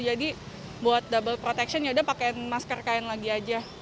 jadi buat double protection ya udah pakaian masker kain lagi aja